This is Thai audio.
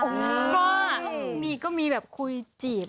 ก็มีแบบคุยจีบ